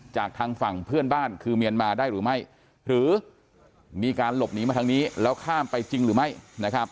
จากทางฝั่งเพื่อนบ้านคือเมียนมาได้หรือไม่หรือมีการหลบหนีมาทางนี้แล้วข้ามไปจริงหรือไม่นะครับ